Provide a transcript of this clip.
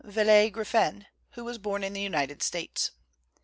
Viele" Griffin who was born in the United States.